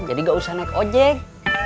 jadi gak usah naik ojek